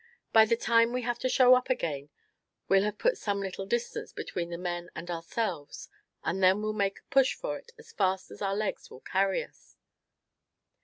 By the time we have to show up again we'll have put some little distance between the men and ourselves; and then we'll make a push for it as fast as our legs will carry us."